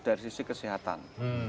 dari sisi kesehatan